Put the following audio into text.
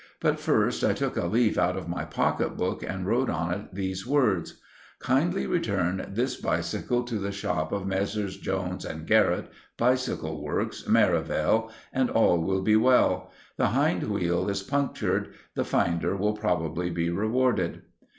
But first I took a leaf out of my pocketbook and wrote on it these words— "_Kindly return this bicycle to the shop of Messrs. Jones and Garratt, bicycle works, Merivale, and all will be well. The hind wheel is punctured. The finder will probably be rewarded.